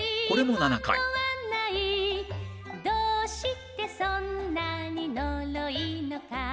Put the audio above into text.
「どうしてそんなにのろいのか」